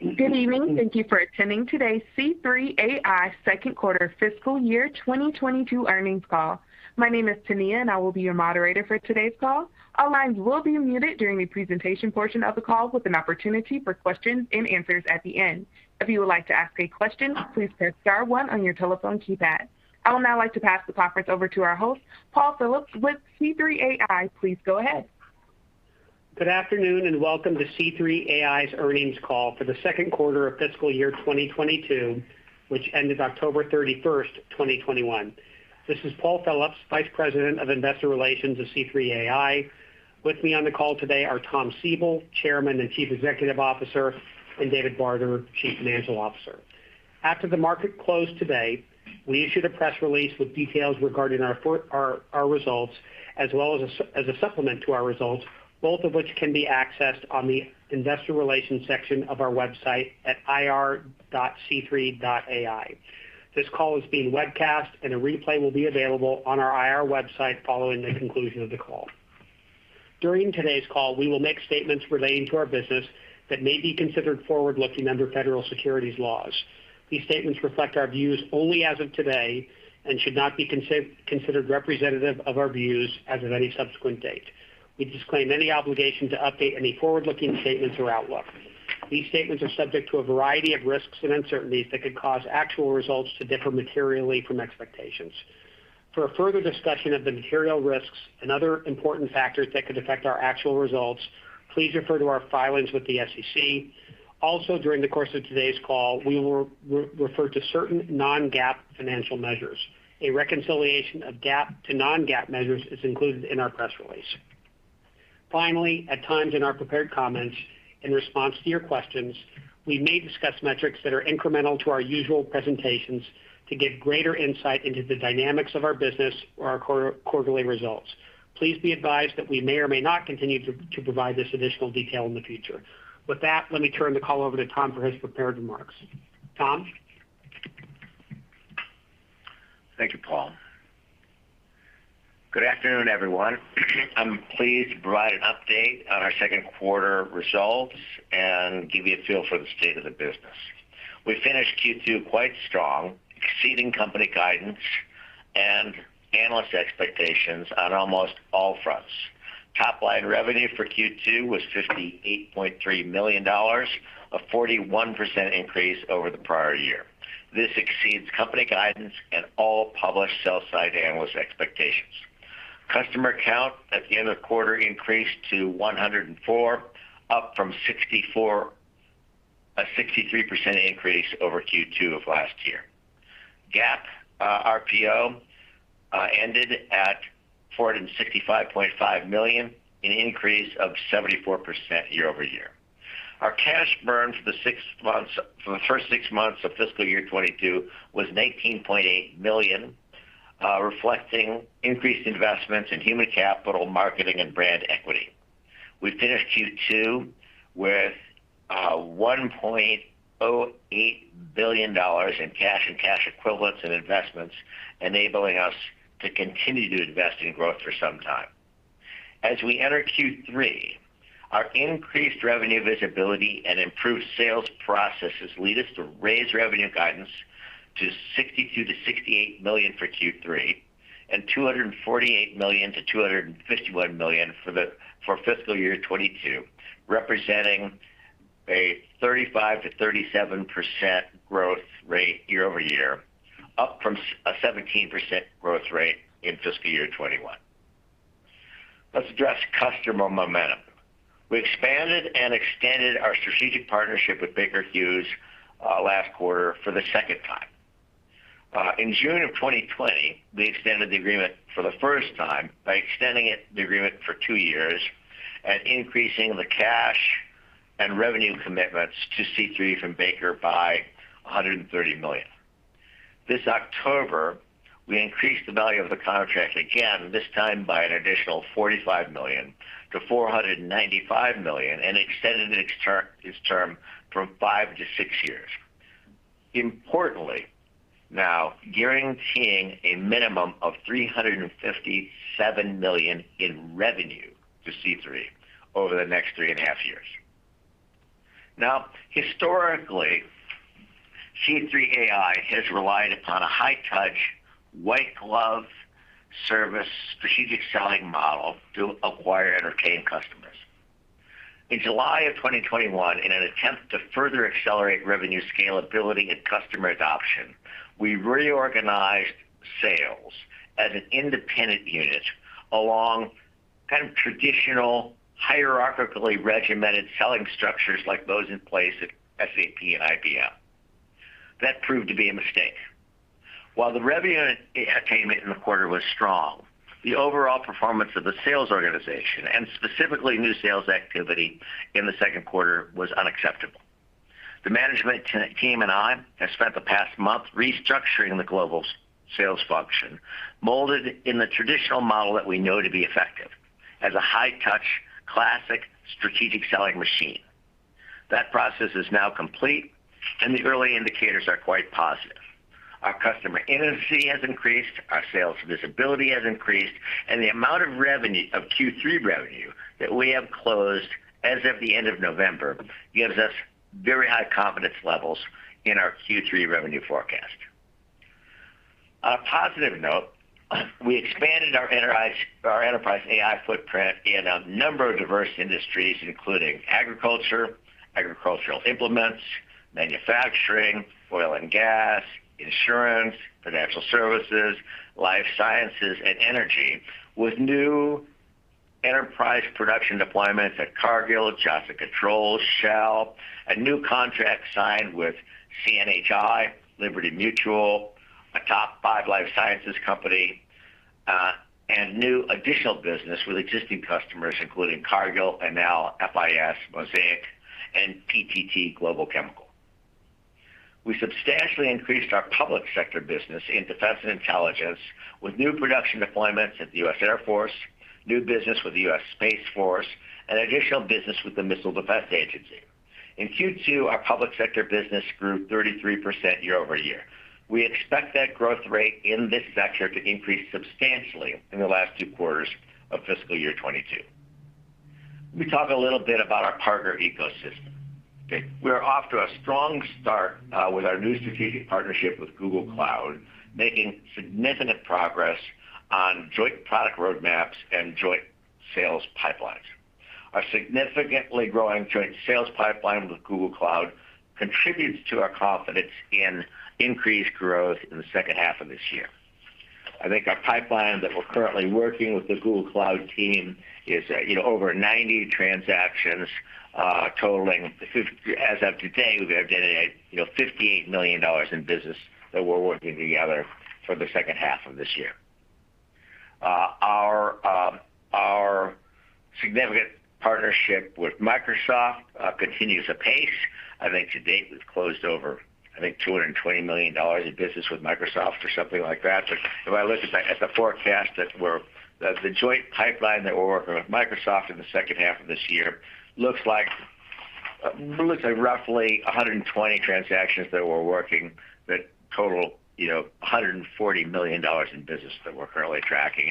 Good evening. Thank you for attending today's C3.ai second quarter fiscal year 2022 earnings call. My name is Tania, and I will be your moderator for today's call. All lines will be muted during the presentation portion of the call with an opportunity for questions and answers at the end. If you would like to ask a question, please press star one on your telephone keypad. I would now like to pass the conference over to our host, Paul Phillips with C3.ai. Please go ahead. Good afternoon and welcome to C3.ai's earnings call for the second quarter of fiscal year 2022, which ended October 31, 2021. This is Paul Phillips, Vice President of Investor Relations at C3.ai. With me on the call today are Tom Siebel, Chairman and Chief Executive Officer, and David Barter, Chief Financial Officer. After the market closed today, we issued a press release with details regarding our results as well as a supplement to our results, both of which can be accessed on the investor relations section of our website at ir.c3.ai. This call is being webcast and a replay will be available on our IR website following the conclusion of the call. During today's call, we will make statements relating to our business that may be considered forward-looking under Federal Securities laws. These statements reflect our views only as of today and should not be considered representative of our views as of any subsequent date. We disclaim any obligation to update any forward-looking statements or outlook. These statements are subject to a variety of risks and uncertainties that could cause actual results to differ materially from expectations. For a further discussion of the material risks and other important factors that could affect our actual results, please refer to our filings with the SEC. Also, during the course of today's call, we will refer to certain non-GAAP financial measures. A reconciliation of GAAP to non-GAAP measures is included in our press release. Finally, at times in our prepared comments, in response to your questions, we may discuss metrics that are incremental to our usual presentations to give greater insight into the dynamics of our business or our quarterly results. Please be advised that we may or may not continue to provide this additional detail in the future. With that, let me turn the call over to Tom for his prepared remarks. Tom? Thank you, Paul. Good afternoon, everyone. I'm pleased to provide an update on our second quarter results and give you a feel for the state of the business. We finished Q2 quite strong, exceeding company guidance and analyst expectations on almost all fronts. Top line revenue for Q2 was $58.3 million, a 41% increase over the prior year. This exceeds company guidance and all published sell-side analyst expectations. Customer count at the end of the quarter increased to 104, up from 64, a 63% increase over Q2 of last year. GAAP RPO ended at $465.5 million, an increase of 74% year-over-year. Our cash burn for the first six months of FY 2022 was $19.8 million, reflecting increased investments in human capital, marketing, and brand equity. We finished Q2 with $1.08 billion in cash and cash equivalents and investments, enabling us to continue to invest in growth for some time. As we enter Q3, our increased revenue visibility and improved sales processes lead us to raise revenue guidance to $62 million-$68 million for Q3 and $248 million-$251 million for FY 2022, representing a 35%-37% growth rate year-over-year, up from a 17% growth rate in FY 2021. Let's address customer momentum. We expanded and extended our strategic partnership with Baker Hughes last quarter for the second time. In June of 2020, we extended the agreement for the first time by extending the agreement for two years and increasing the cash and revenue commitments to C3 from Baker by $130 million. This October, we increased the value of the contract again, this time by an additional $45 million to $495 million, and extended its term from five to six years. Importantly, now guaranteeing a minimum of $357 million in revenue to C3 over the next three point five years. Historically, C3.ai has relied upon a high-touch, white-glove service strategic selling model to acquire and retain customers. In July of 2021, in an attempt to further accelerate revenue scalability and customer adoption, we reorganized sales as an independent unit along kind of traditional, hierarchically regimented selling structures like those in place at SAP and IBM. That proved to be a mistake. While the revenue attainment in the quarter was strong, the overall performance of the sales organization, and specifically new sales activity in the second quarter was unacceptable. The management team and I have spent the past month restructuring the global sales function, molded in the traditional model that we know to be effective as a high-touch, classic strategic selling machine. That process is now complete, and the early indicators are quite positive. Our customer energy has increased, our sales visibility has increased, and the amount of revenue of Q3 revenue that we have closed as of the end of November gives us very high confidence levels in our Q3 revenue forecast. On a positive note, we expanded our enterprise, our enterprise AI footprint in a number of diverse industries, including agriculture, agricultural implements, manufacturing, oil and gas, insurance, financial services, life sciences, and energy, with new enterprise production deployments at Cargill, Johnson Controls, Shell. A new contract signed with CNH Industrial, Liberty Mutual, a top five life sciences company, and new additional business with existing customers including Cargill, Enel, FIS, Mosaic, and PTT Global Chemical. We substantially increased our public sector business in defense and intelligence with new production deployments at the U.S. Air Force, new business with the U.S. Space Force, and additional business with the Missile Defense Agency. In Q2, our public sector business grew 33% year-over-year. We expect that growth rate in this sector to increase substantially in the last two quarters of fiscal year 2022. Let me talk a little bit about our partner ecosystem. We're off to a strong start with our new strategic partnership with Google Cloud, making significant progress on joint product roadmaps and joint sales pipelines. Our significantly growing joint sales pipeline with Google Cloud contributes to our confidence in increased growth in the second half of this year. I think our pipeline that we're currently working with the Google Cloud team is, you know, over 90 transactions. As of today, we have generated, you know, $58 million in business that we're working together for the second half of this year. Our significant partnership with Microsoft continues apace. I think to date, we've closed over, I think, $220 million in business with Microsoft or something like that. If I look at the joint pipeline that we're working with Microsoft in the second half of this year looks like roughly 120 transactions that we're working that total, you know, $140 million in business that we're currently tracking.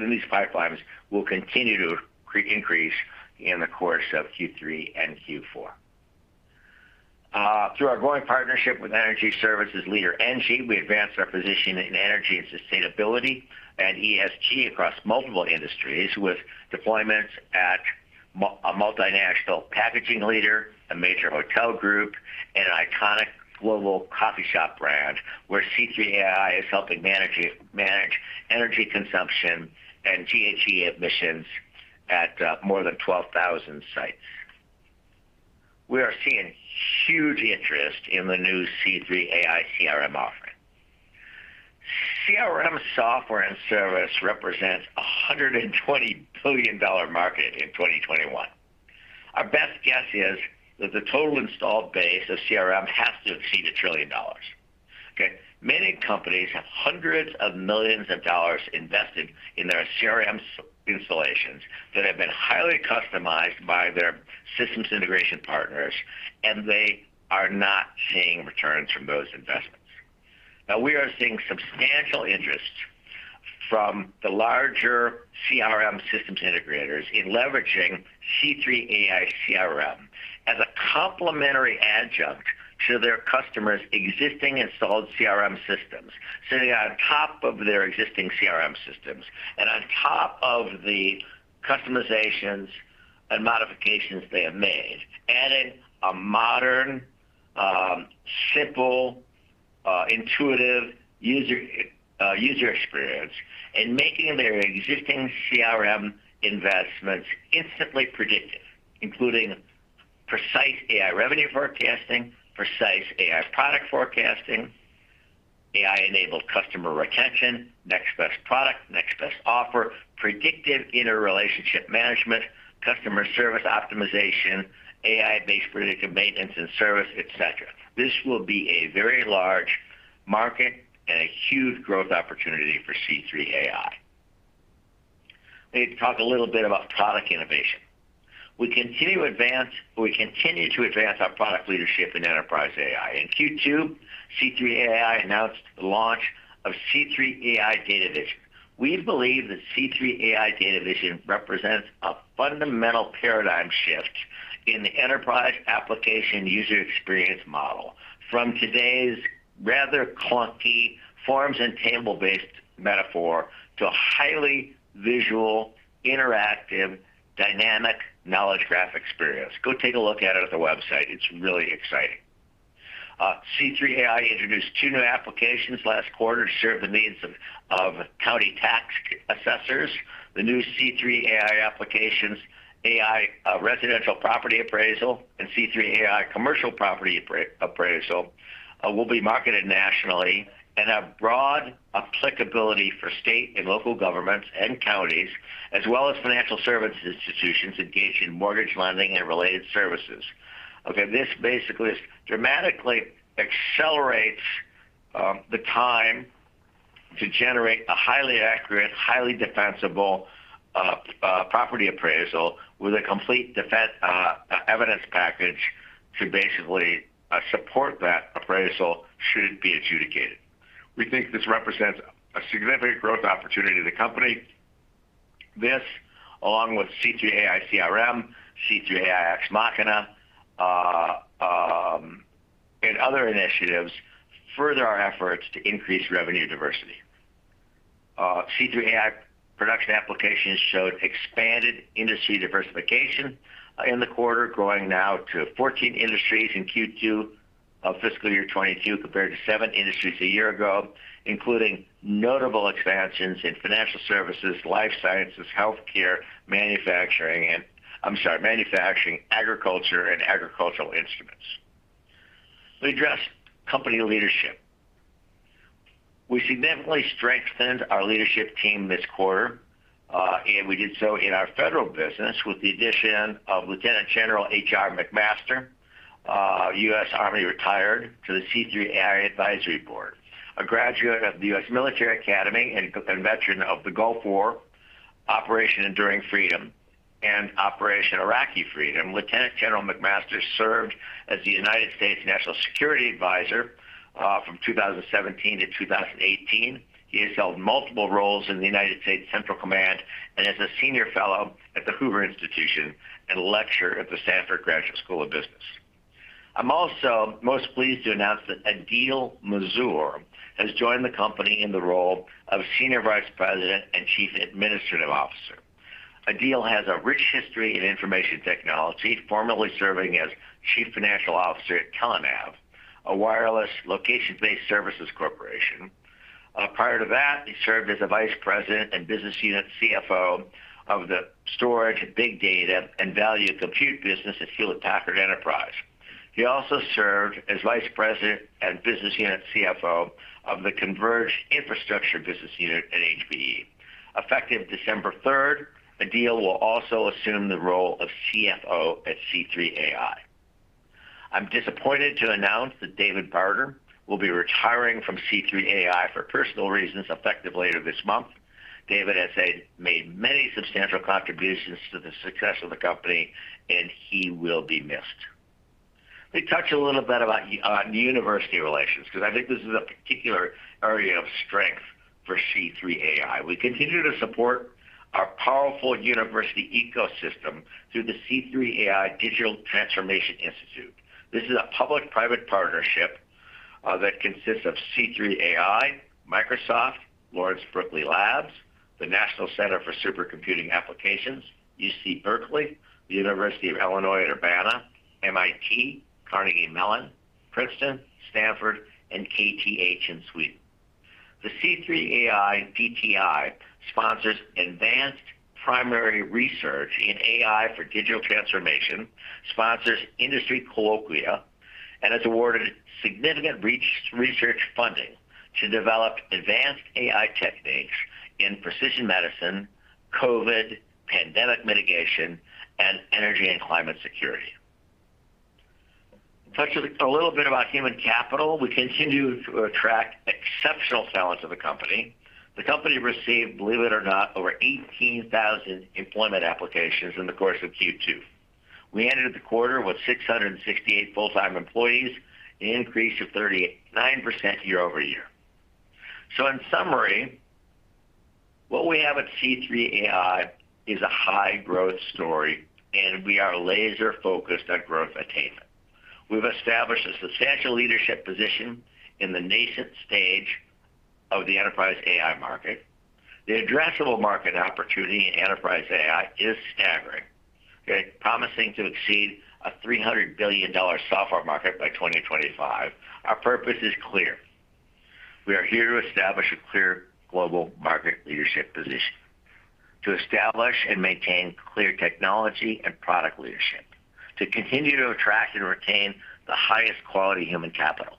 These pipelines will continue to increase in the course of Q3 and Q4. Through our growing partnership with energy services leader ENGIE, we advanced our position in energy and sustainability and ESG across multiple industries with deployments at a multinational packaging leader, a major hotel group, and an iconic global coffee shop brand, where C3.ai is helping manage energy consumption and GHG emissions at more than 12,000 sites. We are seeing huge interest in the new C3.ai CRM offering. CRM software and service represents a $120 billion market in 2021. Our best guess is that the total installed base of CRM has to exceed $1 trillion. Okay? Many companies have hundreds of millions of dollars invested in their CRM installations that have been highly customized by their systems integration partners, and they are not seeing returns from those investments. Now, we are seeing substantial interest from the larger CRM systems integrators in leveraging C3.ai CRM as a complementary adjunct to their customers' existing installed CRM systems, sitting on top of their existing CRM systems and on top of the customizations and modifications they have made, adding a modern, simple, intuitive user experience and making their existing CRM investments instantly predictive, including precise AI revenue forecasting, precise AI product forecasting, AI-enabled customer retention, next best product, next best offer, predictive interrelationship management, customer service optimization, AI-based predictive maintenance and service, et cetera. This will be a very large market and a huge growth opportunity for C3.ai. I need to talk a little bit about product innovation. We continue to advance our product leadership in enterprise AI. In Q2, C3.ai announced the launch of C3 AI Data Vision. We believe that C3 AI Data Vision represents a fundamental paradigm shift in the enterprise application user experience model from today's rather clunky forms and table-based metaphor to a highly visual, interactive, dynamic knowledge graph experience. Go take a look at it at the website. It's really exciting. C3.ai introduced two new applications last quarter to serve the needs of county tax assessors. The new C3 AI applications, C3 AI Residential Property Appraisal and C3 AI Commercial Property Appraisal, will be marketed nationally and have broad applicability for state and local governments and counties, as well as financial services institutions engaged in mortgage lending and related services. Okay, this basically dramatically accelerates the time to generate a highly accurate, highly defensible property appraisal with a complete defense evidence package to basically support that appraisal should it be adjudicated. We think this represents a significant growth opportunity to the company. This, along with C3 AI CRM, C3 AI Ex Machina, and other initiatives further our efforts to increase revenue diversity. C3 AI production applications showed expanded industry diversification in the quarter, growing now to 14 industries in Q2 of FY 2022 compared to 7 industries a year ago, including notable expansions in financial services, life sciences, healthcare, manufacturing, agriculture, and agricultural implements. Let me address company leadership. We significantly strengthened our leadership team this quarter, and we did so in our federal business with the addition of Lieutenant General H.R. McMaster. McMaster, U.S. Army Retired, to the C3.ai advisory board. A graduate of the U.S. Military Academy and veteran of the Gulf War, Operation Enduring Freedom, and Operation Iraqi Freedom, Lieutenant General McMaster served as the United States National Security Advisor from 2017 to 2018. He has held multiple roles in the United States Central Command and is a senior fellow at the Hoover Institution and lecturer at the Stanford Graduate School of Business. I'm also most pleased to announce that Adeel Manzoor has joined the company in the role of Senior Vice President and Chief Administrative Officer. Adeel has a rich history in information technology, formerly serving as Chief Financial Officer at Telenav, a wireless location-based services corporation. Prior to that, he served as a vice president and business unit CFO of the storage, big data, and value compute business at Hewlett Packard Enterprise. He also served as vice president and business unit CFO of the converged infrastructure business unit at HPE. Effective December third, Adeel will also assume the role of CFO at C3.ai. I'm disappointed to announce that David Barter will be retiring from C3.ai for personal reasons effective later this month. David has made many substantial contributions to the success of the company, and he will be missed. Let me touch a little bit about university relations, 'cause I think this is a particular area of strength for C3.ai. We continue to support our powerful university ecosystem through the C3.ai Digital Transformation Institute. This is a public-private partnership that consists of C3.ai, Microsoft, Lawrence Berkeley National Laboratory, the National Center for Supercomputing Applications, UC Berkeley, the University of Illinois Urbana-Champaign, MIT, Carnegie Mellon, Princeton, Stanford, and KTH in Sweden. The C3.ai DTI sponsors advanced primary research in AI for digital transformation, sponsors industry colloquia, and has awarded significant research funding to develop advanced AI techniques in precision medicine, COVID pandemic mitigation, and energy and climate security. Talk to you a little bit about human capital. We continue to attract exceptional talent to the company. The company received, believe it or not, over 18,000 employment applications in the course of Q2. We ended the quarter with 668 full-time employees, an increase of 39% year-over-year. In summary, what we have at C3.ai is a high-growth story, and we are laser-focused on growth attainment. We've established a substantial leadership position in the nascent stage of the enterprise AI market. The addressable market opportunity in enterprise AI is staggering, okay, promising to exceed a $300 billion software market by 2025. Our purpose is clear. We are here to establish a clear global market leadership position, to establish and maintain clear technology and product leadership, to continue to attract and retain the highest quality human capital,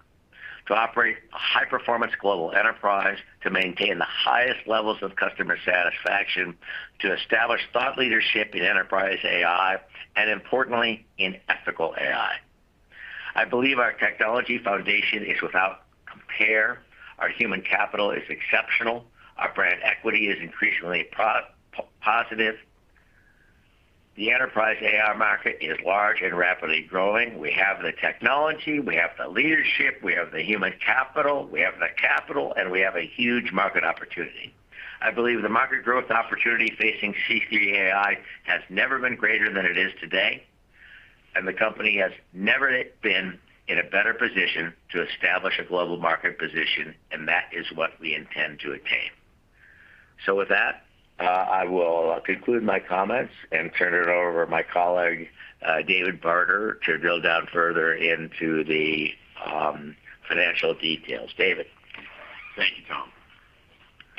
to operate a high-performance global enterprise, to maintain the highest levels of customer satisfaction, to establish thought leadership in enterprise AI, and importantly, in ethical AI. I believe our technology foundation is without compare. Our human capital is exceptional. Our brand equity is increasingly positive. The enterprise AI market is large and rapidly growing. We have the technology, we have the leadership, we have the human capital, we have the capital, and we have a huge market opportunity. I believe the market growth opportunity facing C3.ai has never been greater than it is today, and the company has never been in a better position to establish a global market position, and that is what we intend to attain. With that, I will conclude my comments and turn it over to my colleague, David Barter, to drill down further into the financial details. David. Thank you, Tom.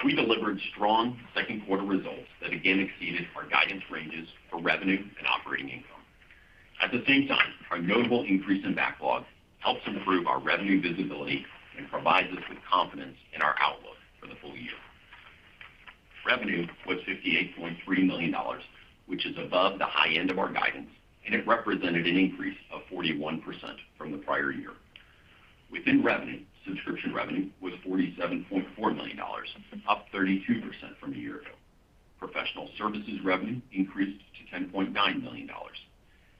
We delivered strong second quarter results that again exceeded our guidance ranges for revenue and operating income. At the same time, our notable increase in backlog helps improve our revenue visibility and provides us with confidence in our outlook for the full year. Revenue was $58.3 million, which is above the high end of our guidance, and it represented an increase of 41% from the prior year. Within revenue, subscription revenue was $47.4 million, up 32% from a year ago. Professional services revenue increased to $10.9 million.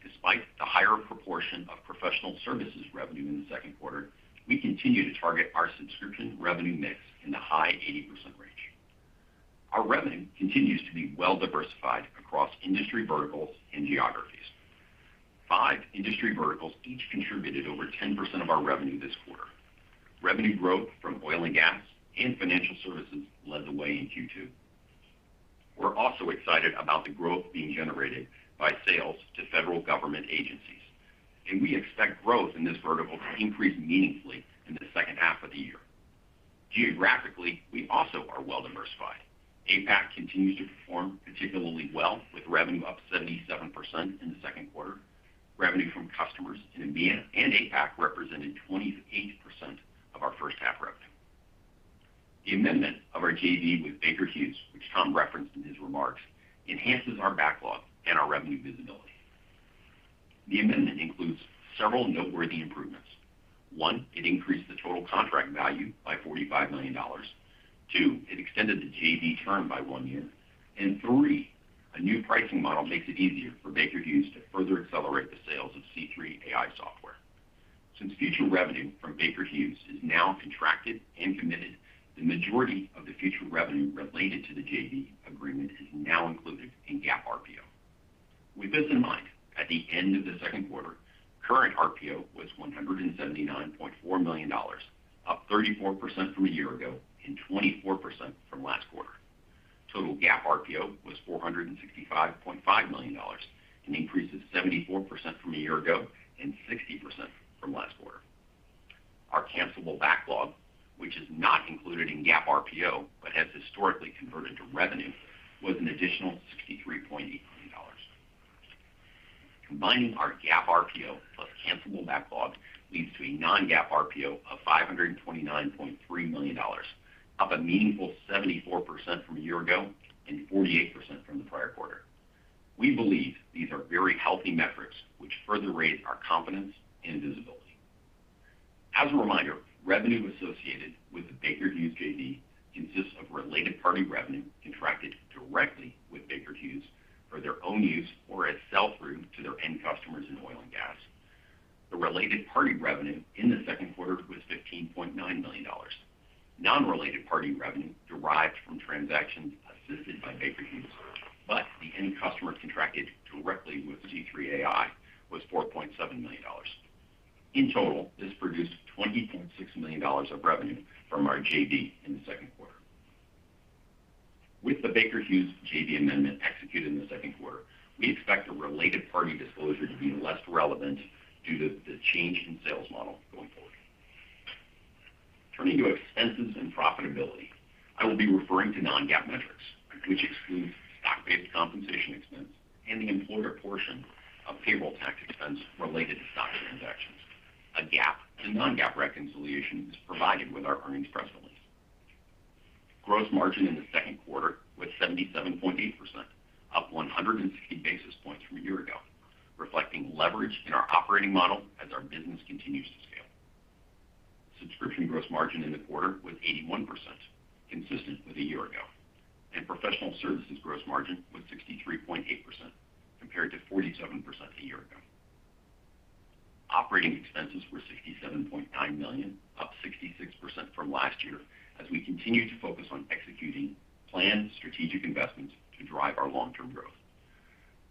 Despite the higher proportion of professional services revenue in the second quarter, we continue to target our subscription revenue mix in the high 80% range. Our revenue continues to be well diversified across industry verticals and geographies. five industry verticals each contributed over 10% of our revenue this quarter. Revenue growth from oil and gas and financial services led the way in Q2. We're also excited about the growth being generated by sales to federal government agencies, and we expect growth in this vertical to increase meaningfully in the second half of the year. Geographically, we also are well diversified. APAC continues to perform particularly well, with revenue up 77% in the second quarter. Revenue from customers in EMEA and APAC represented 28% of our first half revenue. The amendment of our JV with Baker Hughes, which Tom referenced in his remarks, enhances our backlog and our revenue visibility. The amendment includes several noteworthy improvements. One, it increased the total contract value by $45 million. Two, it extended the JV term by one year. Three, a new pricing model makes it easier for Baker Hughes to further accelerate the sales of C3.ai software. Since future revenue from Baker Hughes is now contracted and committed, the majority of the future revenue related to the JV agreement is now included in GAAP RPO. With this in mind, at the end of the second quarter, current RPO was $179.4 million, up 34% from a year ago and 24% from last quarter. Total GAAP RPO was $465.5 million, an increase of 74% from a year ago and 60% from last quarter. Our cancelable backlog, which is not included in GAAP RPO but has historically converted to revenue, was an additional $63.8 million. Combining our GAAP RPO plus cancelable backlog leads to a non-GAAP RPO of $529.3 million, up a meaningful 74% from a year ago and 48% from the prior quarter. We believe these are very healthy metrics which further raise our confidence and visibility. As a reminder, revenue associated with the Baker Hughes JV consists of related party revenue contracted directly with Baker Hughes for their own use or as sell-through to their end customers in oil and gas. The related party revenue in the second quarter was $15.9 million. Non-related party revenue derived from transactions assisted by Baker Hughes, but the end customers contracted directly with C3.ai was $4.7 million. In total, this produced $20.6 million of revenue from our JV in the second quarter. With the Baker Hughes JV amendment executed in the second quarter, we expect the related party disclosure to be less relevant due to the change in sales model going forward. Turning to expenses and profitability, I will be referring to non-GAAP metrics, which excludes stock-based compensation expense and the employer portion of payroll tax expense related to stock transactions. A GAAP and non-GAAP reconciliation is provided with our earnings press release. Gross margin in the second quarter was 77.8%, up 160 basis points from a year ago, reflecting leverage in our operating model as our business continues to scale. Subscription gross margin in the quarter was 81%, consistent with a year ago, and professional services gross margin was 63.8%, compared to 47% a year ago. Operating expenses were $67.9 million, up 66% from last year as we continue to focus on executing planned strategic investments to drive our long-term growth.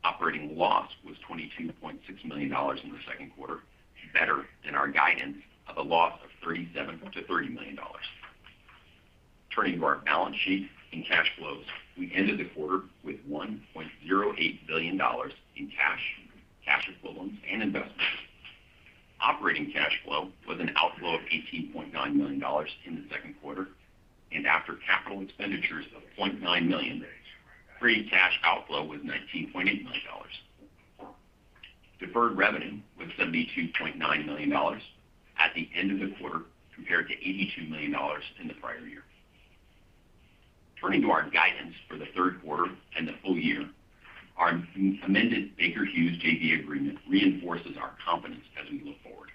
Operating loss was $22.6 million in the second quarter, better than our guidance of a loss of $37 million-$30 million. Turning to our balance sheet and cash flows, we ended the quarter with $1.08 billion in cash equivalents and investments. Operating cash flow was an outflow of $18.9 million in the second quarter, and after capital expenditures of $0.9 million, free cash outflow was $19.8 million. Deferred revenue was $72.9 million at the end of the quarter compared to $82 million in the prior year. Turning to our guidance for the third quarter and the full year, our amended Baker Hughes JV agreement reinforces our confidence as we look forward.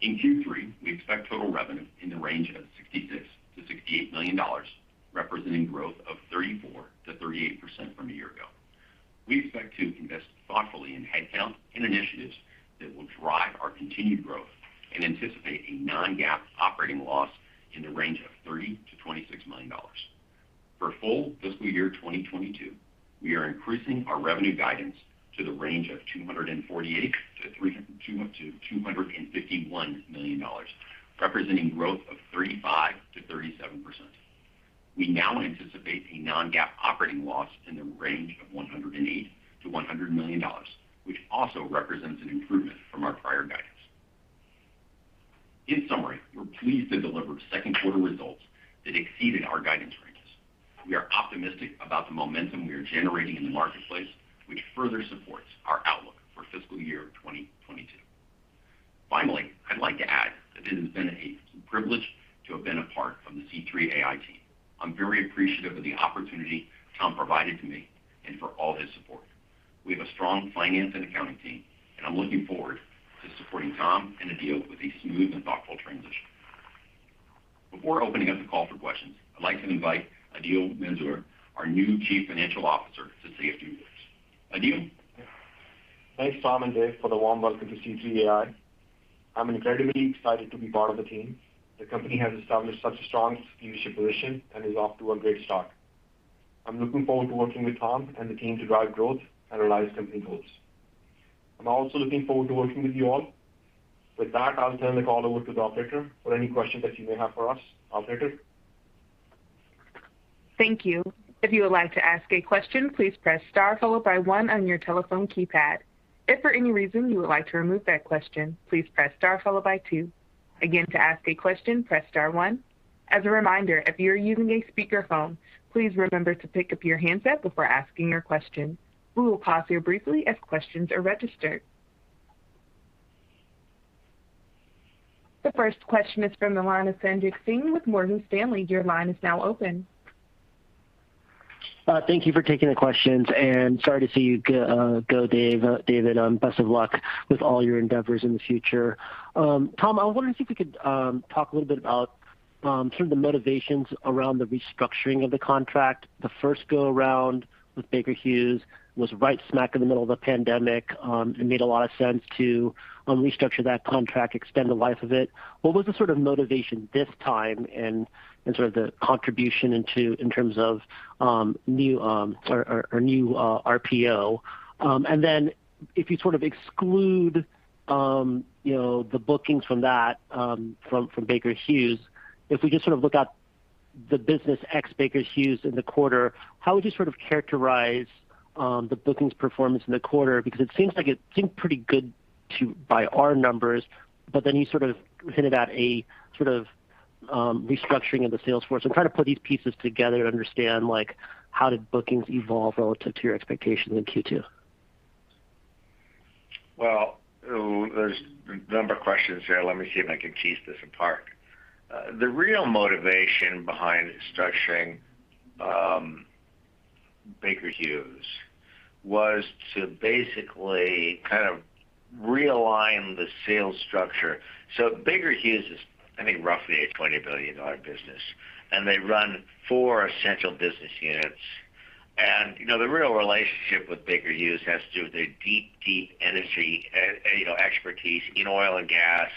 In Q3, we expect total revenue in the range of $66 million-$68 million, representing growth of 34%-38% from a year ago. We expect to invest thoughtfully in headcount and initiatives that will drive our continued growth and anticipate a non-GAAP operating loss in the range of $30 million-$26 million. For full fiscal year 2022, we are increasing our revenue guidance to the range of $248 million-$251 million, representing growth of 35%-37%. We now anticipate a non-GAAP operating loss in the range of $108 million-$100 million, which also represents an improvement from our prior guidance. In summary, we're pleased to deliver second quarter results that exceeded our guidance ranges. We are optimistic about the momentum we are generating in the marketplace, which further supports our outlook for fiscal year 2023. Finally, I'd like to add that it has been a privilege to have been a part from the C3.ai team. I'm very appreciative of the opportunity Tom provided to me and for all his support. We have a strong finance and accounting team, and I'm looking forward to supporting Tom and Adeel with a smooth and thoughtful transition. Before opening up the call for questions, I'd like to invite Adeel Manzoor, our new Chief Financial Officer, to say a few words. Adeel? Thanks, Tom and David, for the warm welcome to C3.ai. I'm incredibly excited to be part of the team. The company has established such a strong leadership position and is off to a great start. I'm looking forward to working with Tom and the team to drive growth and realize company goals. I'm also looking forward to working with you all. With that, I'll turn the call over to the operator for any questions that you may have for us. Operator? Thank you. If you would like to ask a question, please press star followed by one on your telephone keypad. If for any reason you would like to remove that question, please press star followed by two. Again, to ask a question, press star one. As a reminder, if you are using a speakerphone, please remember to pick up your handset before asking your question. We will pause here briefly as questions are registered. The first question is from the line of Sanjit Singh with Morgan Stanley. Your line is now open. Thank you for taking the questions, and sorry to see you go, David. Best of luck with all your endeavors in the future. Tom, I wonder if you could talk a little bit about sort of the motivations around the restructuring of the contract. The first go around with Baker Hughes was right smack in the middle of a pandemic. It made a lot of sense to restructure that contract, extend the life of it. What was the sort of motivation this time and sort of the contribution into in terms of new or new RPO? And then if you sort of exclude, you know, the bookings from that, from Baker Hughes, if we just sort of look at the business ex Baker Hughes in the quarter, how would you sort of characterize the bookings performance in the quarter? Because it seems like it seemed pretty good, too, by our numbers, but then you sort of hinted at a sort of restructuring of the sales force. I'm trying to put these pieces together to understand, like, how did bookings evolve relative to your expectations in Q2? Well, there's a number of questions here. Let me see if I can tease this apart. The real motivation behind structuring Baker Hughes was to basically kind of realign the sales structure. Baker Hughes is, I think, roughly a $20 billion business, and they run four essential business units. You know, the real relationship with Baker Hughes has to do with their deep energy, you know, expertise in oil and gas,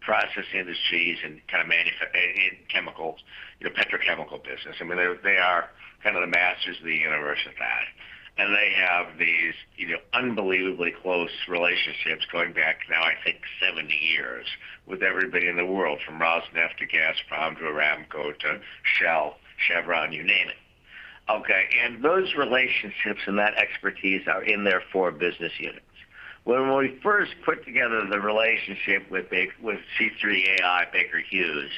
process industries and kind of in chemicals, you know, petrochemical business. I mean, they are kind of the masters of the universe at that. They have these, you know, unbelievably close relationships going back now, I think 70 years with everybody in the world, from Rosneft to Gazprom to Aramco to Shell, Chevron, you name it. Okay. Those relationships and that expertise are in their four business units. When we first put together the relationship with C3.ai Baker Hughes,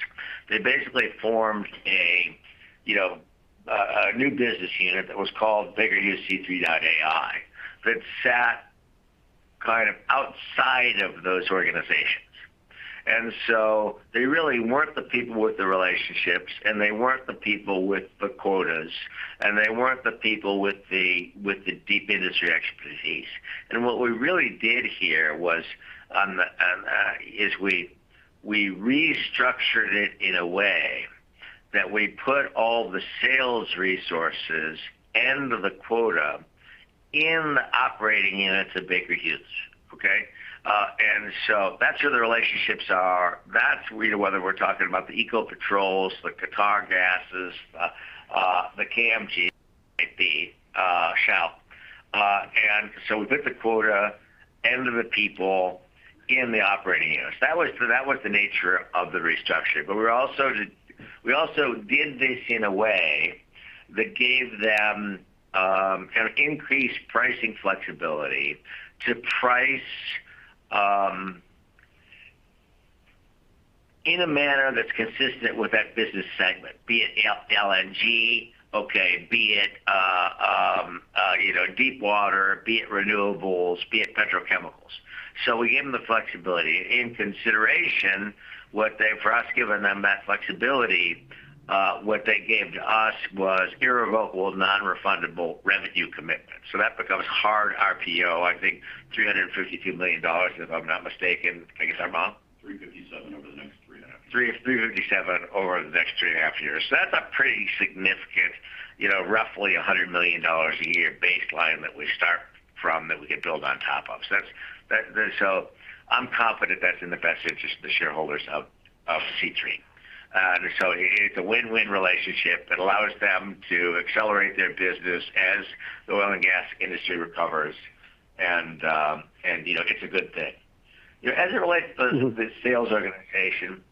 they basically formed a new business unit that was called Baker Hughes C3.ai that sat kind of outside of those organizations. They really weren't the people with the relationships, and they weren't the people with the quotas, and they weren't the people with the deep industry expertise. What we really did here was we restructured it in a way that we put all the sales resources and the quota in the operating units of Baker Hughes. Okay? That's where the relationships are. That's where we're talking about the Eco controls, the Qatargas, the KMG, BP, Shell. We put the quota and the people in the operating units. That was the nature of the restructure. We're also did this in a way that gave them kind of increased pricing flexibility to price in a manner that's consistent with that business segment, be it LNG, okay, be it you know, deep water, be it renewables, be it petrochemicals. We gave them the flexibility. In consideration, for us giving them that flexibility, what they gave to us was irrevocable, non-refundable revenue commitment. That becomes hard RPO, I think $352 million, if I'm not mistaken. I guess, Armand? $357 over the next 3.5 years. 337 over the next 3.5 years. That's a pretty significant, roughly $100 million a year baseline that we start from that we can build on top of. I'm confident that's in the best interest of the shareholders of C3. It's a win-win relationship that allows them to accelerate their business as the oil and gas industry recovers. It's a good thing. As it relates to the sales organization,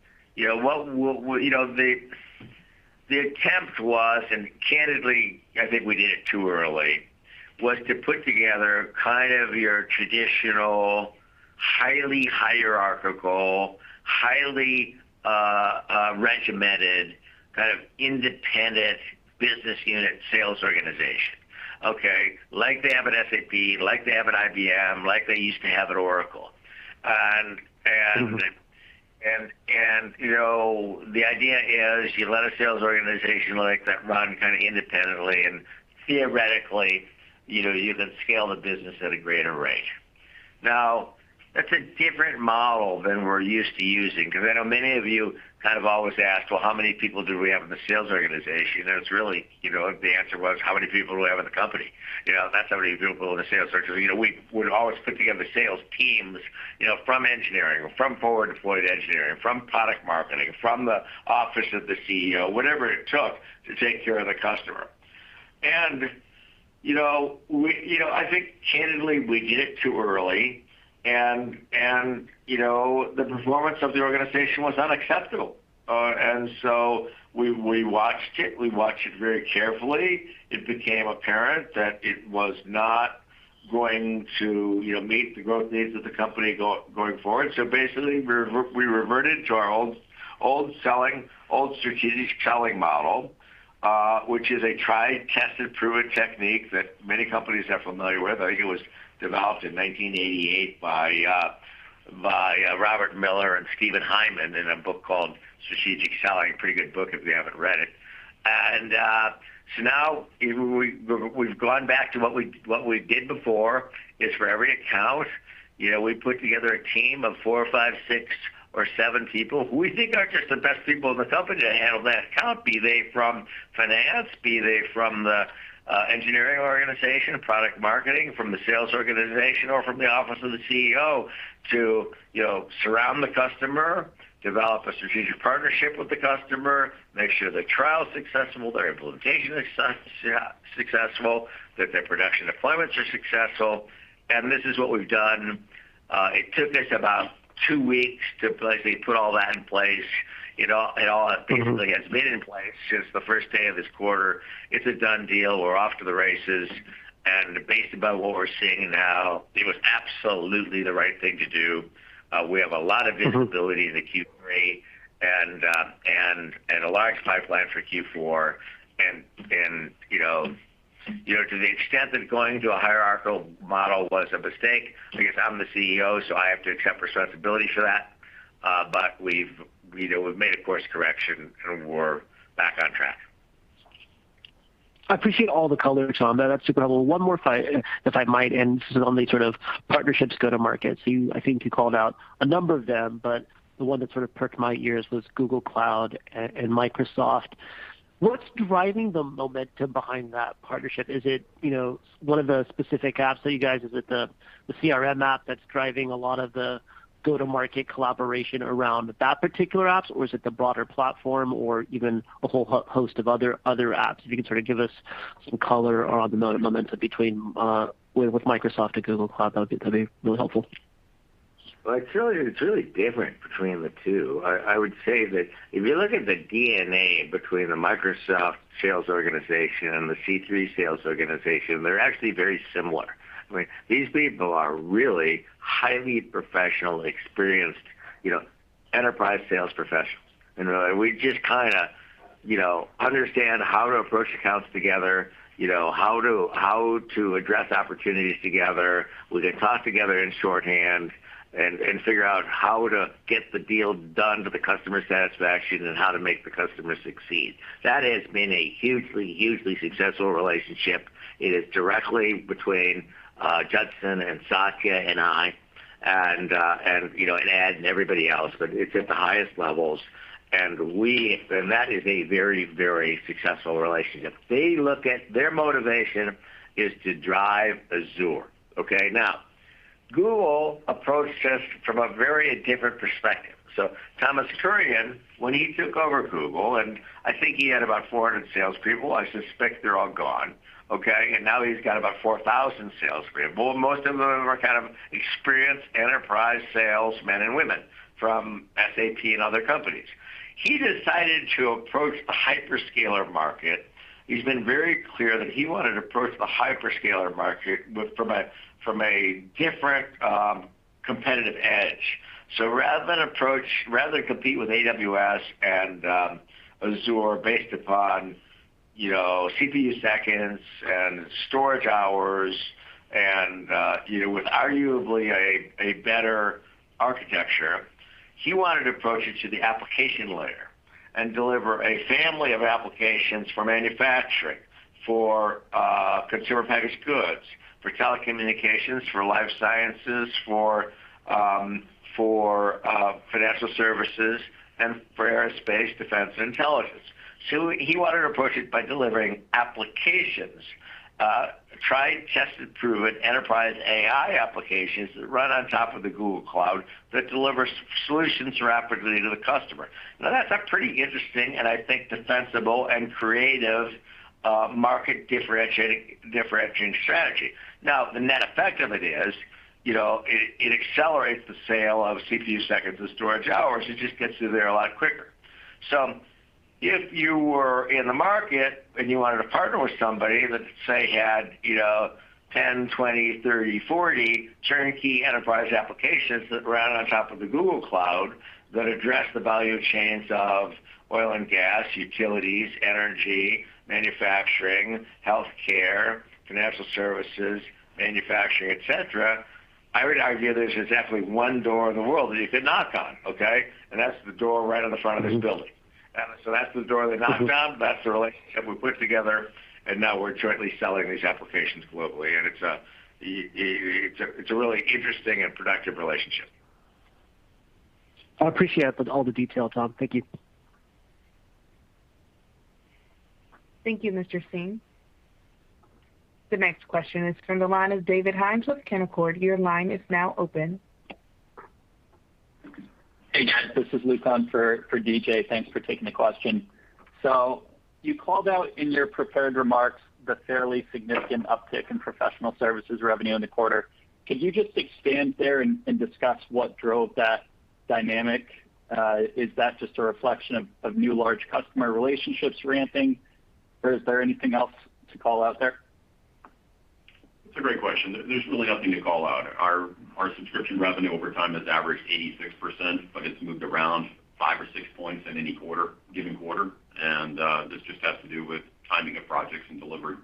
the attempt was, and candidly, I think we did it too early, was to put together kind of your traditional, highly hierarchical, highly regimented kind of independent business unit sales organization. Okay, like they have an SAP, like they have an IBM, like they used to have an Oracle. Mm-hmm. You know, the idea is you let a sales organization like that run kind of independently and theoretically, you know, you can scale the business at a greater rate. Now, that's a different model than we're used to using, 'cause I know many of you kind of always ask, "Well, how many people do we have in the sales organization?" It's really, you know, the answer was, how many people do we have in the company? You know, that's how many people in the sales force. You know, we would always put together sales teams, you know, from engineering or from forward-deployed engineering, from product marketing, from the office of the CEO, whatever it took to take care of the customer. You know, I think candidly, we did it too early and, you know, the performance of the organization was unacceptable. We watched it very carefully. It became apparent that it was not going to, you know, meet the growth needs of the company going forward. Basically, we reverted to our old strategic selling model, which is a tried, tested, proven technique that many companies are familiar with. I think it was developed in 1988 by Robert Miller and Stephen Heiman in a book called Strategic Selling. Pretty good book if you haven't read it. Now we've gone back to what we did before, is for every account, you know, we put together a team of four, five, six, or seven people who we think are just the best people in the company to handle that account, be they from finance, be they from the engineering organization, product marketing, from the sales organization, or from the office of the CEO, to, you know, surround the customer, develop a strategic partnership with the customer, make sure their trial is successful, their implementation is successful, that their production deployments are successful. This is what we've done. It took us about two weeks to basically put all that in place. It all basically Mm-hmm. Has been in place since the first day of this quarter. It's a done deal. We're off to the races. Based upon what we're seeing now, it was absolutely the right thing to do. We have a lot of visibility- Mm-hmm. In the Q3 and a large pipeline for Q4. To the extent that going to a hierarchical model was a mistake, I guess I'm the CEO, so I have to accept responsibility for that. But we've you know made a course correction, and we're back on track. I appreciate all the colors on that. That's super helpful. One more if I might, and this is on the sort of partnerships go-to-market. I think you called out a number of them, but the one that sort of perked my ears was Google Cloud and Microsoft. What's driving the momentum behind that partnership? Is it one of the specific apps that you guys? Is it the CRM app that's driving a lot of the go-to-market collaboration around that particular apps, or is it the broader platform or even a whole host of other apps? If you can sort of give us some color around the momentum with Microsoft and Google Cloud, that'd be really helpful. Well, it's really different between the two. I would say that if you look at the DNA between the Microsoft sales organization and the C3.ai sales organization, they're actually very similar, right? These people are really highly professional, experienced, you know, enterprise sales professionals. We just kinda understand how to approach accounts together, you know, how to address opportunities together. We can talk together in shorthand and figure out how to get the deal done to the customer's satisfaction and how to make the customer succeed. That has been a hugely successful relationship. It is directly between Judson and Satya and I and Ed and everybody else, but it's at the highest levels. That is a very successful relationship. Their motivation is to drive Azure, okay? Now, Google approached us from a very different perspective. Thomas Kurian, when he took over Google, and I think he had about 400 salespeople, I suspect they're all gone, okay, and now he's got about 4,000 salespeople. Most of them are kind of experienced enterprise salesmen and women from SAP and other companies. He decided to approach the hyperscaler market. He's been very clear that he wanted to approach the hyperscaler market from a different competitive edge. Rather than compete with AWS and Azure based upon, you know, CPU seconds and storage hours and, you know, with arguably a better architecture, he wanted to approach it to the application layer and deliver a family of applications for manufacturing, for consumer packaged goods, for telecommunications, for life sciences, for financial services and for aerospace, defense, and intelligence. He wanted to approach it by delivering applications, tried, tested, proven enterprise AI applications that run on top of the Google Cloud that delivers solutions rapidly to the customer. Now, that's a pretty interesting and I think defensible and creative, market differentiating strategy. Now, the net effect of it is, you know, it accelerates the sale of CPU seconds and storage hours. It just gets you there a lot quicker. If you were in the market and you wanted to partner with somebody that, say, had, you know, 10, 20, 30, 40 turnkey enterprise applications that ran on top of the Google Cloud that address the value chains of oil and gas, utilities, energy, manufacturing, healthcare, financial services, manufacturing, et cetera, I would argue there's exactly one door in the world that you could knock on, okay? That's the door right on the front of this building. Mm-hmm. that's the door they knocked on. Mm-hmm. That's the relationship we put together, and now we're jointly selling these applications globally. It's a really interesting and productive relationship. I appreciate all the detail, Tom. Thank you. Thank you, Mr. Singh. The next question is from the line of DJ Hynes with Canaccord. Your line is now open. Hey, guys, this is Luke on for DJ. Thanks for taking the question. You called out in your prepared remarks the fairly significant uptick in professional services revenue in the quarter. Could you just expand there and discuss what drove that dynamic? Is that just a reflection of new large customer relationships ramping, or is there anything else to call out there? That's a great question. There's really nothing to call out. Our subscription revenue over time has averaged 86%, but it's moved around five or six points in any given quarter. This just has to do with timing of projects and delivery.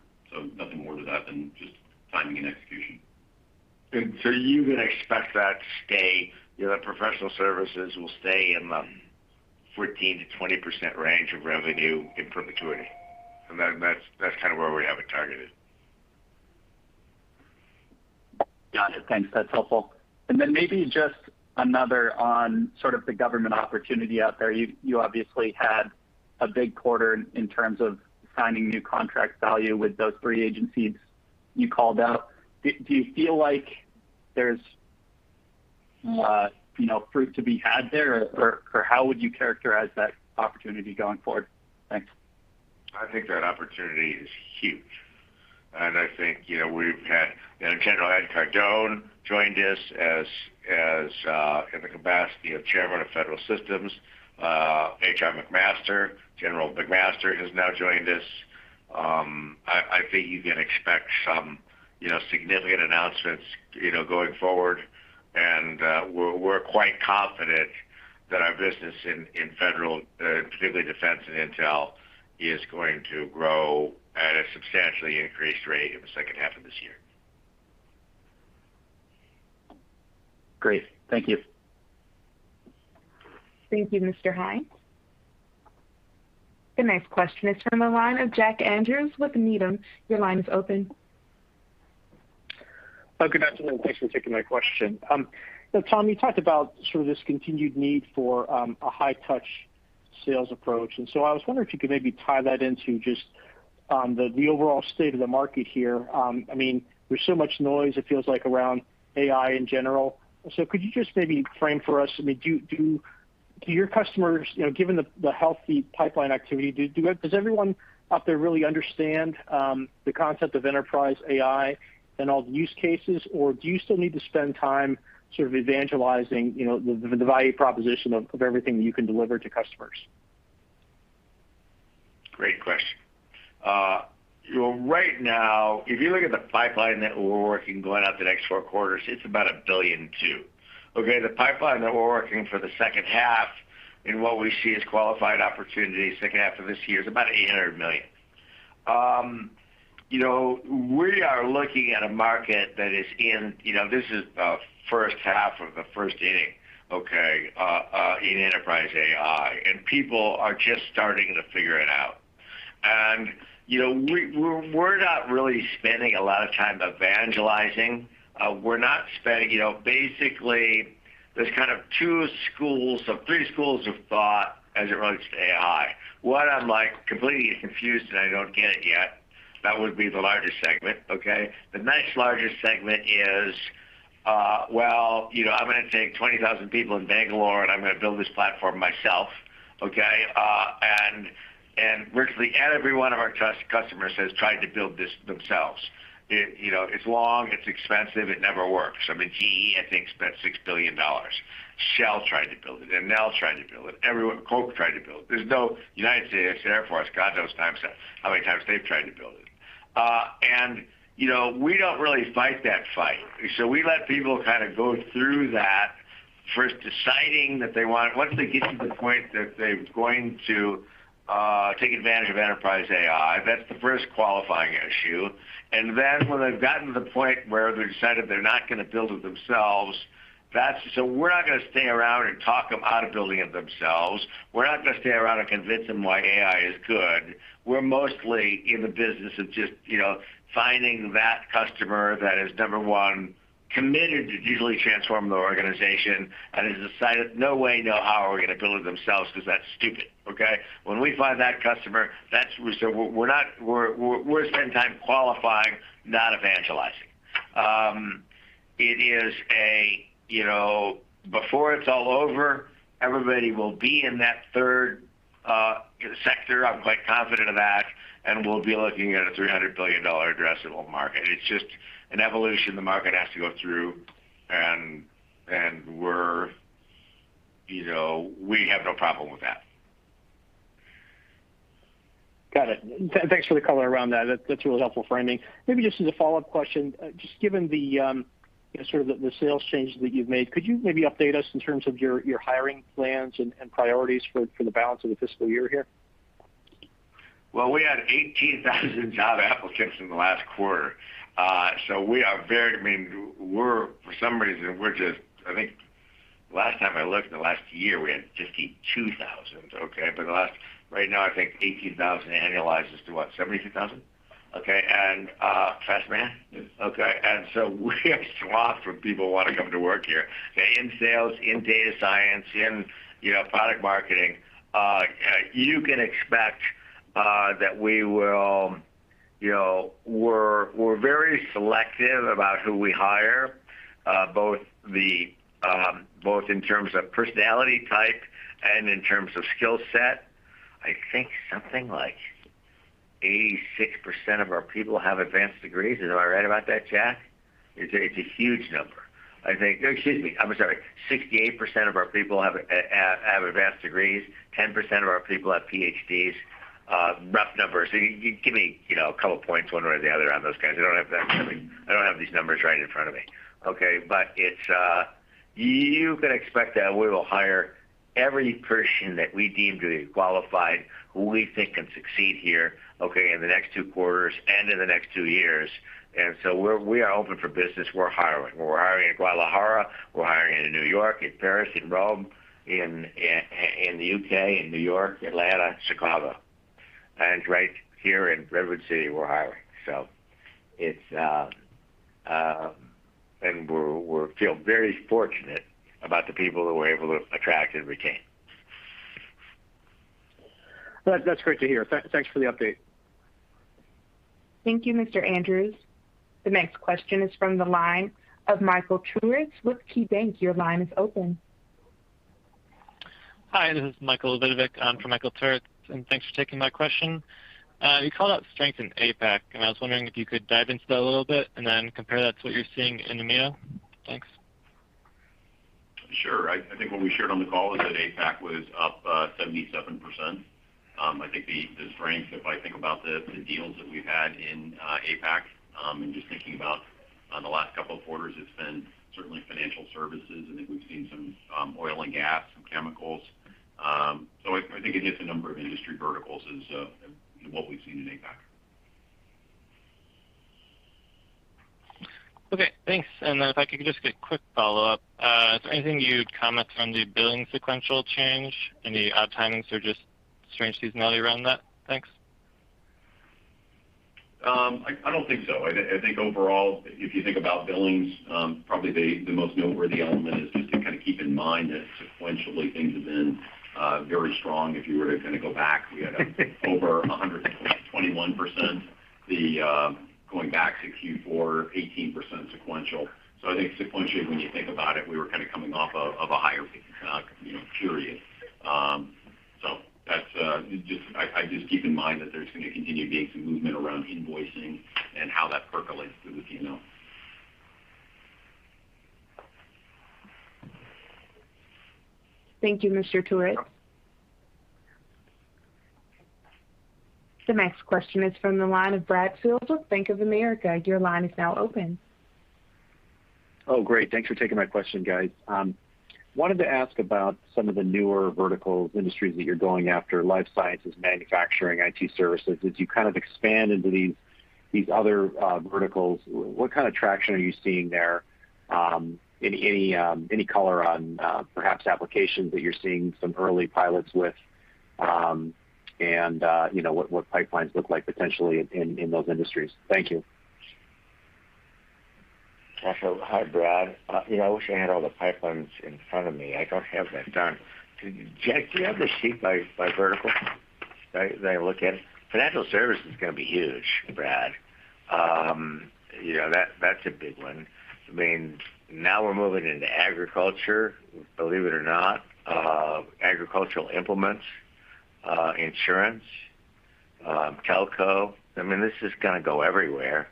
Nothing more to that than just timing and execution. You would expect that to stay, you know, that professional services will stay in the 14%-20% range of revenue in perpetuity? That's kind of where we have it targeted. Got it. Thanks. That's helpful. Then maybe just another on sort of the government opportunity out there. You obviously had a big quarter in terms of signing new contract value with those three agencies you called out. Do you feel like there's, you know, fruit to be had there? Or how would you characterize that opportunity going forward? Thanks. I think that opportunity is huge, and I think, you know, we've had. You know, General Ed Cardon joined us as in the capacity of Chairman of Federal Systems. H.R. McMaster, General McMaster has now joined us. I think you can expect some, you know, significant announcements, you know, going forward. We're quite confident that our business in federal, particularly defense and intel, is going to grow at a substantially increased rate in the second half of this year. Great. Thank you. Thank you, Mr. Hynes. The next question is from the line of Jack Andrews with Needham. Your line is open. Good afternoon. Thanks for taking my question. So Tom, you talked about sort of this continued need for a high-touch sales approach. I was wondering if you could maybe tie that into just the overall state of the market here. I mean, there's so much noise it feels like around AI in general. So could you just maybe frame for us, I mean, do your customers, you know, given the healthy pipeline activity, does everyone out there really understand the concept of enterprise AI and all the use cases? Or do you still need to spend time sort of evangelizing, you know, the value proposition of everything you can deliver to customers? Great question. Right now, if you look at the pipeline that we're working going out the next four quarters, it's about $1.2 billion. Okay, the pipeline that we're working for the second half in what we see as qualified opportunities second half of this year is about $800 million. You know, we are looking at a market that is in, you know, this is the first half of the first inning, okay, in enterprise AI, and people are just starting to figure it out. You know, we're not really spending a lot of time evangelizing. We're not spending. You know, basically, there's kind of two schools or three schools of thought as it relates to AI. One, I'm like completely confused, and I don't get it yet. That would be the largest segment, okay? The next largest segment is, well, you know, I'm gonna take 20,000 people in Bangalore, and I'm gonna build this platform myself, okay? Virtually every one of our customers has tried to build this themselves. It you know, it's long, it's expensive, it never works. I mean, GE, I think, spent $6 billion. Shell tried to build it. Enel tried to build it. Everyone. Coke tried to build it. U.S. Air Force, God knows how many times they've tried to build it. You know, we don't really fight that fight. We let people kind of go through that, first deciding that they want. Once they get to the point that they're going to take advantage of enterprise AI, that's the first qualifying issue. When they've gotten to the point where they've decided they're not gonna build it themselves, that's when we're not gonna stay around and talk them out of building it themselves. We're not gonna stay around and convince them why AI is good. We're mostly in the business of just, you know, finding that customer that is, number one, committed to digitally transforming their organization and has decided no way, no how are we gonna build it themselves because that's stupid, okay? When we find that customer, that's when we're spending time qualifying, not evangelizing. It is a, you know, before it's all over, everybody will be in that third sector. I'm quite confident of that, and we'll be looking at a $300 billion addressable market. It's just an evolution the market has to go through, and we're, you know, we have no problem with that. Got it. Thanks for the color around that. That's really helpful framing. Maybe just as a follow-up question, just given the you know sort of the sales changes that you've made, could you maybe update us in terms of your hiring plans and priorities for the balance of the fiscal year here? Well, we had 18,000 job applications in the last quarter. I mean, we're for some reason, we're just I think last time I looked the last year we had 52,000, okay. Right now I think 18,000 annualizes to what? 72,000? Okay. Fast man? Yes. We have slots for people who wanna come to work here in sales, in data science, in product marketing. You can expect we're very selective about who we hire both in terms of personality type and in terms of skill set. I think something like 86% of our people have advanced degrees. Am I right about that, Jack? It's a huge number. Excuse me, I'm sorry. 68% of our people have advanced degrees. 10% of our people have PhDs. Rough numbers. You give me a couple points one way or the other on those guys. I don't have that. I don't have these numbers right in front of me. Okay, you can expect that we will hire every person that we deem to be qualified, who we think can succeed here, okay, in the next two quarters and in the next two years. We are open for business. We're hiring. We're hiring in Guadalajara, New York, Paris, Rome, the U.K., New York, Atlanta, Chicago. Right here in Redwood City, we're hiring. We feel very fortunate about the people that we're able to attract and retain. That's great to hear. Thanks for the update. Thank you, Mr. Andrews. The next question is from the line of Michael Turits with KeyBanc. Your line is open. Hi, this is Michael Vidovic. I'm from Michael Turits, and thanks for taking my question. You called out strength in APAC, and I was wondering if you could dive into that a little bit and then compare that to what you're seeing in EMEA. Thanks. Sure. I think what we shared on the call is that APAC was up 77%. I think the strength, if I think about the deals that we've had in APAC, and just thinking about the last couple of quarters, it's been certainly financial services. I think we've seen some oil and gas, some chemicals. I think it hits a number of industry verticals, what we've seen in APAC. Okay, thanks. If I could just get a quick follow-up. Is there anything you'd comment on the billing sequential change? Any timings or just strange seasonality around that? Thanks. I don't think so. I think overall, if you think about billings, probably the most noteworthy element is just to kind of keep in mind that sequentially things have been very strong. If you were to kind of go back, we had over 121%, going back to Q4, 18% sequential. I think sequentially, when you think about it, we were kind of coming off of a higher period. That's just. I just keep in mind that there's going to continue being some movement around invoicing and how that percolates through the QML. Thank you, Mr. Turits. The next question is from the line of Brad Fields with Bank of America. Your line is now open. Oh, great. Thanks for taking my question, guys. Wanted to ask about some of the newer vertical industries that you're going after, life sciences, manufacturing, IT services. As you kind of expand into these other verticals, what kind of traction are you seeing there? Any color on perhaps applications that you're seeing some early pilots with, and you know, what pipelines look like potentially in those industries? Thank you. Hi, Brad. You know, I wish I had all the pipelines in front of me. I don't have that done. Jack, do you have the sheet by vertical that I look at? Financial services is gonna be huge, Brad. You know, that's a big one. I mean, now we're moving into agriculture, believe it or not, agricultural implements, insurance, telco. I mean, this is gonna go everywhere.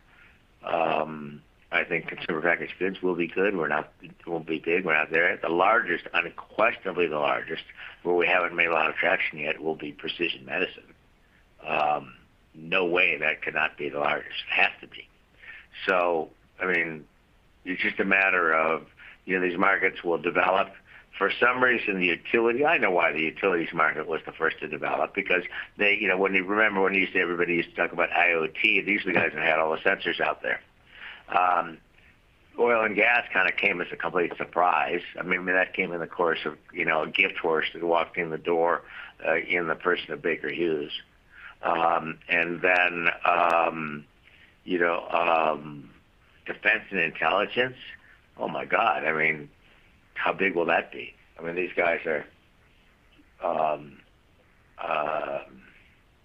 I think consumer packaged goods will be good. It won't be big. We're not there. The largest, unquestionably, where we haven't made a lot of traction yet, will be precision medicine. No way that could not be the largest. It has to be. I mean, it's just a matter of, you know, these markets will develop. For some reason, the utility. I know why the utilities market was the first to develop because they, you know, when you remember when you say everybody used to talk about IoT, these are the guys that had all the sensors out there. Oil and gas kind of came as a complete surprise. I mean, that came in the course of, you know, a gift horse that walked in the door, in the person of Baker Hughes. And then, you know, defense and intelligence. Oh, my God. I mean, how big will that be? I mean, these guys are.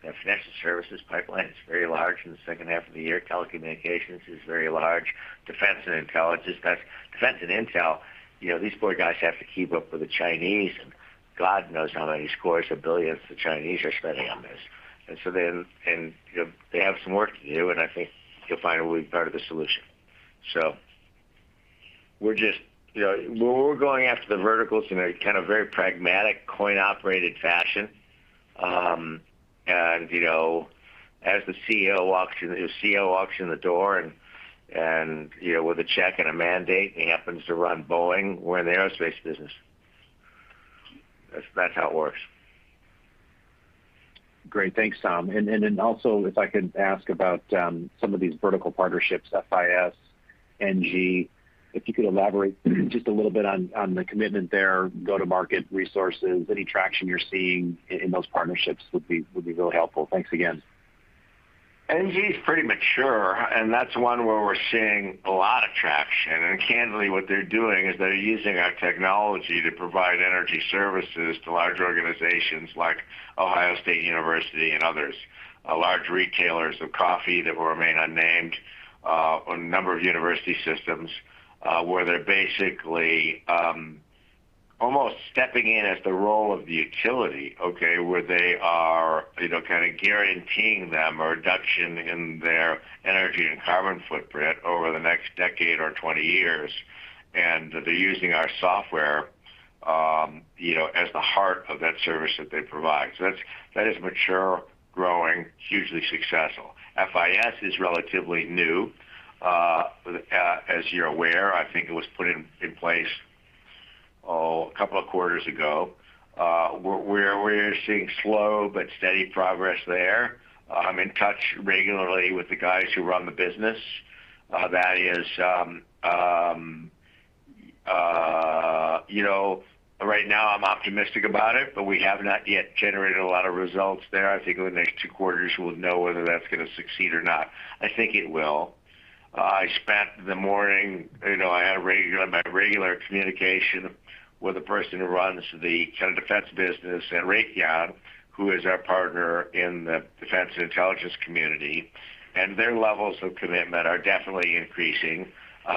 Their financial services pipeline is very large in the second half of the year. Telecommunications is very large. Defense and intelligence, that's defense and intel. You know, these poor guys have to keep up with the Chinese and God knows how many scores of billions the Chinese are spending on this. They have some work to do, and I think you'll find it will be part of the solution. We're just, you know, we're going after the verticals in a kind of very pragmatic coin-operated fashion. You know, as the CEO walks in the door and you know, with a check and a mandate, and he happens to run Boeing, we're in the aerospace business. That's how it works. Great. Thanks, Tom. If I could ask about some of these vertical partnerships, FIS, ENGIE. If you could elaborate just a little bit on the commitment there, go-to-market resources, any traction you're seeing in those partnerships would be really helpful. Thanks again. ENGIE is pretty mature, and that's one where we're seeing a lot of traction. Candidly, what they're doing is they're using our technology to provide energy services to large organizations like Ohio State University and others, large retailers of coffee that will remain unnamed, a number of university systems, where they're basically almost stepping in as the role of the utility, okay, where they are, you know, kinda guaranteeing them a reduction in their energy and carbon footprint over the next decade or 20 years. They're using our software, you know, as the heart of that service that they provide. That is mature, growing, hugely successful. FIS is relatively new, as you're aware. I think it was put in place a couple of quarters ago. We're seeing slow but steady progress there. I'm in touch regularly with the guys who run the business. That is, you know, right now I'm optimistic about it, but we have not yet generated a lot of results there. I think over the next two quarters, we'll know whether that's gonna succeed or not. I think it will. I spent the morning, you know. I had my regular communication with the person who runs the kinda defense business at Raytheon, who is our partner in the defense and intelligence community, and their levels of commitment are definitely increasing.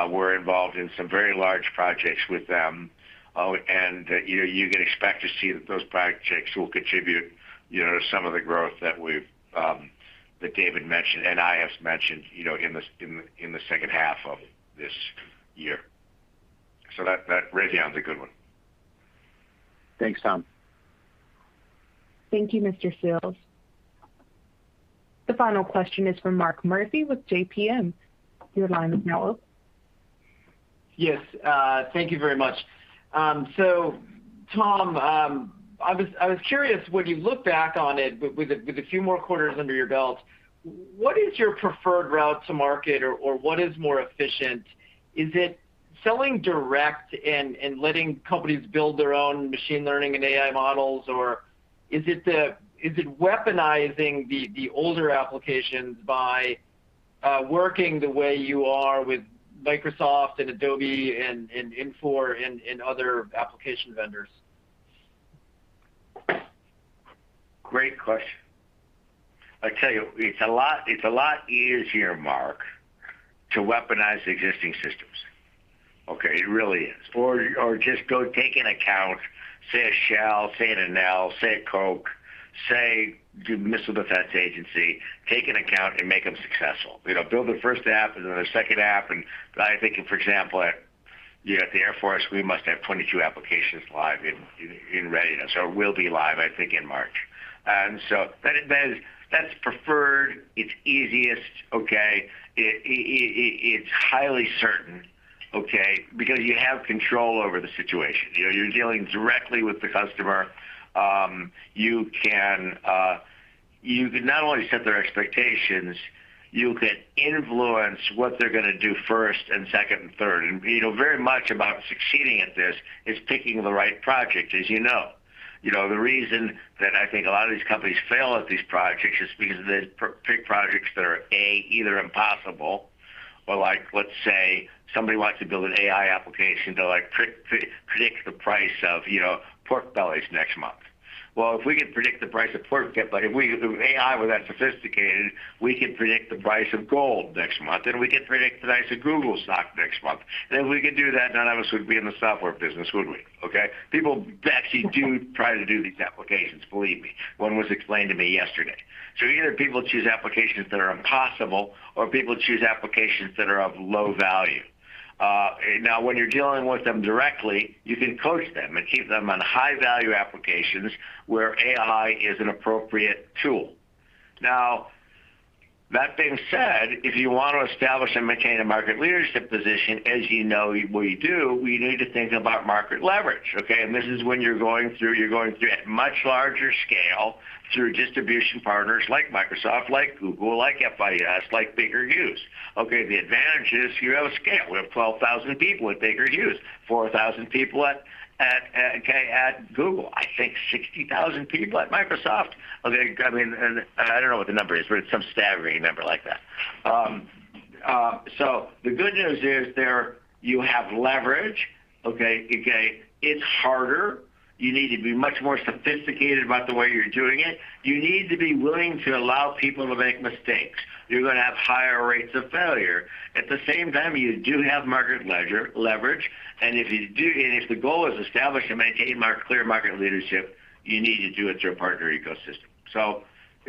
We're involved in some very large projects with them. You can expect to see that those projects will contribute, you know, some of the growth that David mentioned and I have mentioned, you know, in the second half of this year. That Raytheon's a good one. Thanks, Tom. Thank you, Mr. Fields. The final question is from Mark Murphy with JPMorgan. Your line is now open. Yes, thank you very much. So Tom, I was curious when you look back on it with a few more quarters under your belt, what is your preferred route to market or what is more efficient? Is it selling direct and letting companies build their own machine learning and AI models? Or is it weaponizing the older applications by working the way you are with Microsoft and Adobe and Infor and other application vendors? Great question. I tell you, it's a lot easier, Mark, to weaponize existing systems. Okay? It really is. Or just go take an account, say a Shell, say an Enel, say a Coke, say the Missile Defense Agency, take an account, and make them successful. You know, build the first app and then the second app. I think, for example, you know, at the Air Force, we must have 22 applications live in readiness or will be live, I think, in March. That's preferred. It's easiest, okay? It's highly certain, okay? Because you have control over the situation. You know, you're dealing directly with the customer. You can not only set their expectations, you can influence what they're gonna do first and second and third. You know, very much about succeeding at this is picking the right project, as you know. You know, the reason that I think a lot of these companies fail at these projects is because they pick projects that are, A, either impossible or like, let's say, somebody wants to build an AI application to, like, predict the price of, you know, pork bellies next month. Well, if we could predict the price of pork belly, if AI were that sophisticated, we could predict the price of gold next month, and we could predict the price of Google stock next month. If we could do that, none of us would be in the software business, would we? Okay. People actually do try to do these applications, believe me. One was explained to me yesterday. Either people choose applications that are impossible or people choose applications that are of low value. Now when you're dealing with them directly, you can coach them and keep them on high-value applications where AI is an appropriate tool. Now, that being said, if you want to establish and maintain a market leadership position, as you know we do, we need to think about market leverage, okay? This is when you're going through at much larger scale through distribution partners like Microsoft, like Google, like FIS, like Baker Hughes. Okay? The advantage is you have scale. We have 12,000 people at Baker Hughes, 4,000 people at Google. I think 60,000 people at Microsoft. Okay? I mean, I don't know what the number is, but it's some staggering number like that. The good news is there you have leverage, okay? Okay. It's harder. You need to be much more sophisticated about the way you're doing it. You need to be willing to allow people to make mistakes. You're gonna have higher rates of failure. At the same time, you do have market leverage. And if the goal is to establish and maintain clear market leadership, you need to do it through a partner ecosystem.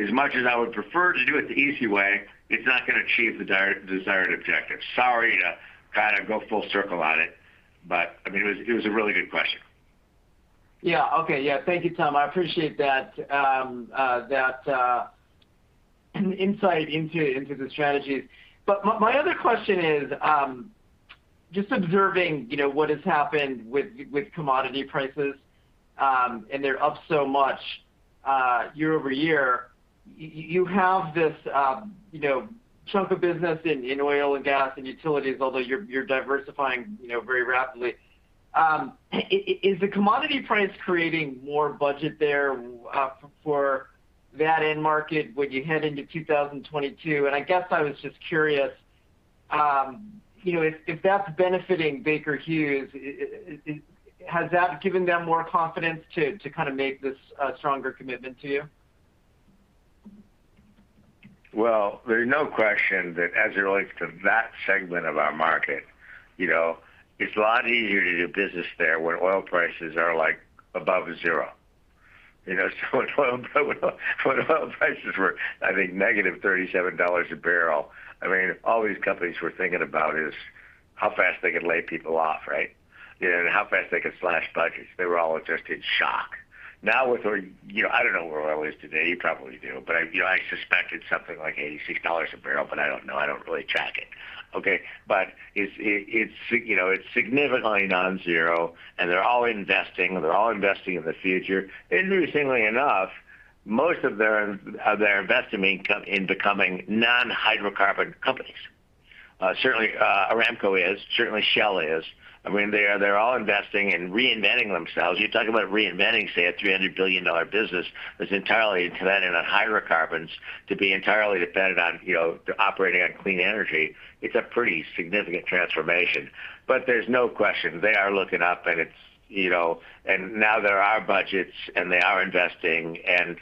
As much as I would prefer to do it the easy way, it's not gonna achieve the desired objective. Sorry to kinda go full circle on it, but, I mean, it was a really good question. Yeah. Okay. Yeah. Thank you, Tom. I appreciate that insight into the strategies. My other question is just observing, you know, what has happened with commodity prices, and they're up so much year-over-year. You have this, you know, chunk of business in oil and gas and utilities, although you're diversifying, you know, very rapidly. Is the commodity price creating more budget there for that end market when you head into 2022? I guess I was just curious, you know, if that's benefiting Baker Hughes, is it? Has that given them more confidence to kinda make this a stronger commitment to you? Well, there's no question that as it relates to that segment of our market, you know, it's a lot easier to do business there when oil prices are, like, above zero. You know, so when oil prices were, I think, negative $37 a barrel, I mean, all these companies were thinking about is how fast they could lay people off, right? You know, and how fast they could slash budgets. They were all just in shock. Now with oil, you know, I don't know where oil is today. You probably do. But I, you know, I suspect it's something like $86 a barrel, but I don't know. I don't really track it. Okay? But it's, you know, it's significantly non-zero, and they're all investing. They're all investing in the future. Interestingly enough, most of their investment income in becoming non-hydrocarbon companies. Certainly, Aramco is. Certainly Shell is. I mean, they're all investing in reinventing themselves. You talk about reinventing, say, a $300 billion business that's entirely dependent on hydrocarbons to be entirely dependent on, you know, to operating on clean energy. It's a pretty significant transformation. There's no question they are ramping up, and it's, you know. Now there are budgets, and they are investing.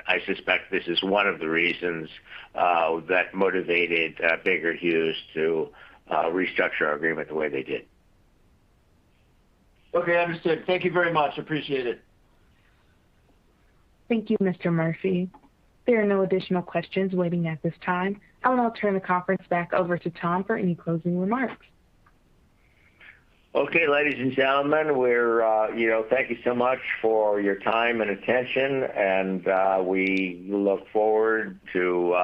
I suspect this is one of the reasons that motivated Baker Hughes to restructure our agreement the way they did. Okay, understood. Thank you very much. Appreciate it. Thank you, Mr. Murphy. There are no additional questions waiting at this time. I will now turn the conference back over to Tom for any closing remarks. Okay, ladies and gentlemen, we're, you know, thank you so much for your time and attention, and, we look forward to,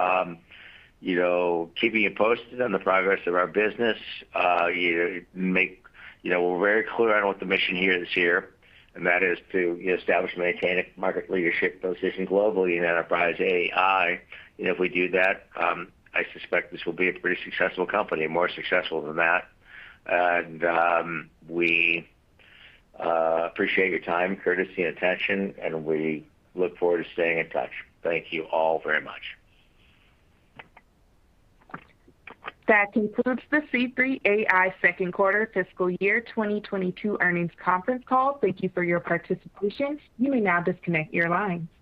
you know, keeping you posted on the progress of our business. You know, we're very clear on what the mission here this year, and that is to, you know, establish and maintain a market leadership position globally in enterprise AI. If we do that, I suspect this will be a pretty successful company, more successful than that. We appreciate your time, courtesy, and attention, and we look forward to staying in touch. Thank you all very much. That concludes the C3.ai second quarter fiscal year 2022 earnings conference call. Thank you for your participation. You may now disconnect your line.